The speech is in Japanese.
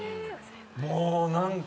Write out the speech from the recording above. もう何か。